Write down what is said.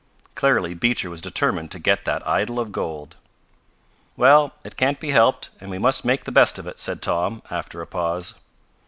Clearly Beecher was determined to get that idol of gold. "Well, it can't be helped, and we must make the best of it," said Tom, after a pause.